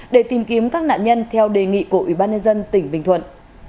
để tìm kiếm các nạn nhân theo đề nghị của ủy ban nhân dân tỉnh bình thuận